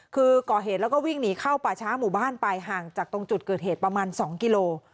คือก่อเหตุแล้วก็วิ่งหนีเข้าป่าช้าหมู่บ้านไปห่างจากตรงจุดเกิดเหตุประมาณ๒กิโล